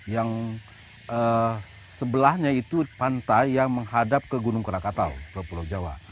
yang sebelahnya itu pantai yang menghadap ke gunung krakatau ke pulau jawa